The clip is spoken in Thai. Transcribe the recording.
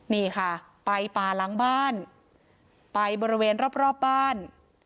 นี่ค่ะไปป่าหลังบ้านไปบริเวณรอบบ้าน